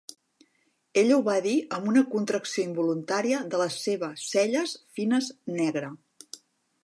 Ella ho va dir amb una contracció involuntària de la seva celles fines negre.